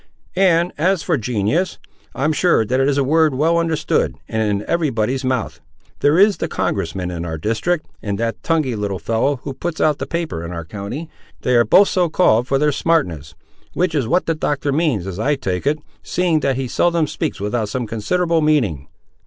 And as for genius, I'm sure that is a word well understood, and in every body's mouth. There is the congress man in our district, and that tonguey little fellow, who puts out the paper in our county, they are both so called, for their smartness; which is what the Doctor means, as I take it, seeing that he seldom speaks without some considerable meaning."